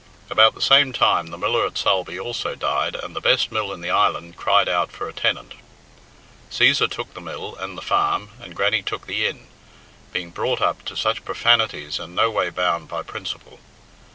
About the same time the miller at Sulby also died, and the best mill in the island cried out for a tenant. Cæsar took the mill and the farm, and Grannie took the inn, being brought up to such profanities and no way bound by principle.